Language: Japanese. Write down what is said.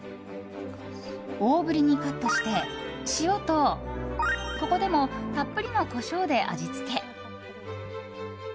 大振りにカットして、塩とここでもたっぷりのコショウで味付け。